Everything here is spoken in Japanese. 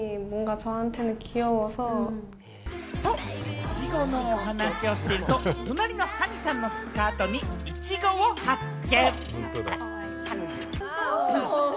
いちごのお話をしていると、隣のハニさんのスカートにイチゴを発見。